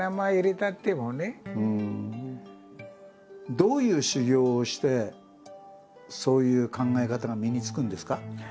どういう修行をしてそういう考え方が身につくんですか？